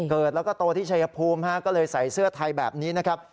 เกิดแล้วก็โตที่ชายภูมิก็เลยใส่เสื้อไทยแบบนี้นะครับ